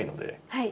はい。